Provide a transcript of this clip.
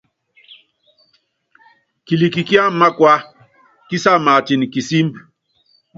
Kilik kiámɛ mákua, kisa métiin kisimb.